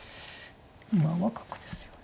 馬は角ですよね。